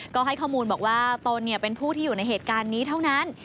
ก็ให้ข้อมูลบอกว่าตนเป็นผู้ที่อยู่ในเหตุการณ์นี้เท่านั้น